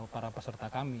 para peserta kami